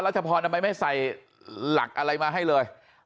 ชพรทำไมไม่ใส่หลักอะไรมาให้เลย